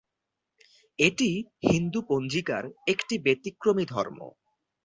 এটিই হিন্দু পঞ্জিকার একটি ব্যতিক্রমী ধর্ম।